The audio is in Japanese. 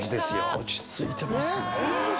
落ち着いてますね。